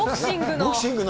ボクシングの？